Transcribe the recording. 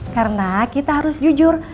karena kita harus jujur